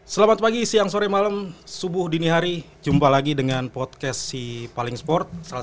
selamat pagi siang sore malam subuh dini hari jumpa lagi dengan podcast si paling sport